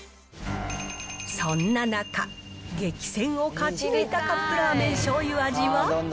そんな中、激戦を勝ち抜いたカップラーメンしょうゆ味は。